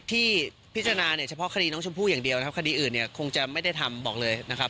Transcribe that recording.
ที่พิจารณาเนี่ยเฉพาะคดีน้องชมพู่อย่างเดียวนะครับคดีอื่นเนี่ยคงจะไม่ได้ทำบอกเลยนะครับ